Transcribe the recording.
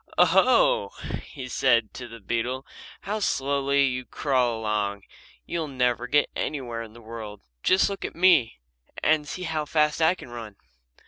"O ho!" he said to the beetle, "how slowly you crawl along. You'll never get anywhere in the world. Just look at me and see how fast I can run."